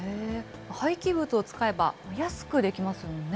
廃棄物を使えば、安くできますよね。